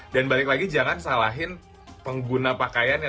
dan balik lagi jangan salahin pengguna pakaiannya